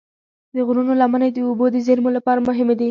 د غرونو لمنې د اوبو د زیرمو لپاره مهمې دي.